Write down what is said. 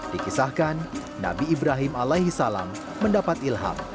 dikisahkan nabi ibrahim alaihi salam mendapat ilham